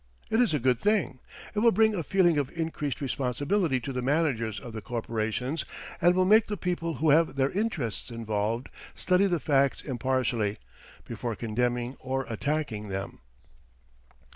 It is a good thing it will bring a feeling of increased responsibility to the managers of the corporations and will make the people who have their interests involved study the facts impartially before condemning or attacking them.